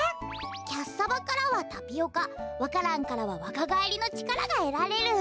キャッサバからはタピオカわか蘭からはわかがえりのちからがえられる。